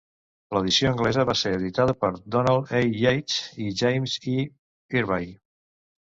L'edició anglesa va ser editada per Donald A. Yates i James E. Irby.